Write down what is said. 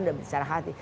sudah bicara hati